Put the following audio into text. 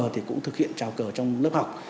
thì cũng thực hiện trào cờ trong lớp học